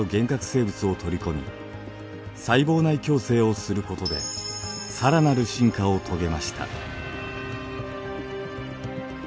生物を取り込み細胞内共生をすることで更なる進化を遂げました。